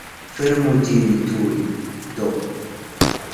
Fermu ĝin tuj, do!